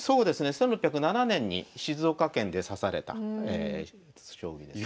１６０７年に静岡県で指された将棋ですね。